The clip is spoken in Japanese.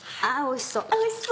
おいしそう！